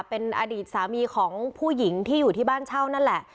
เป็นอดีตสามีของผู้หญิงที่อยู่ที่บ้านเช่านั่นแหละ